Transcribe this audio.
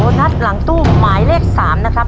นัสหลังตู้หมายเลข๓นะครับ